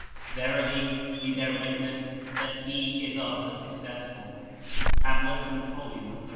Verily, We bear witness that he is of the successful." (Tab. to Napoleon III.)